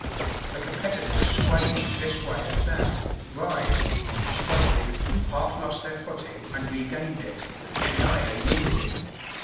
The competitors swayed this way and that, writhed, struggled, half lost their footing and regained it, yet neither yielded.